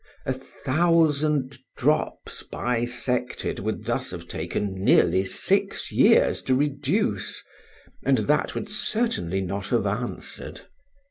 A thousand drops bisected would thus have taken nearly six years to reduce, and that way would certainly not have answered.